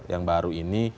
yang baru ini